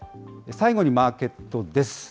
最後にマーケットです。